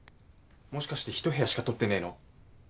もしかして一部屋しか取ってねえの？